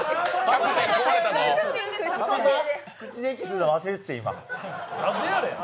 口で息するの忘れてた。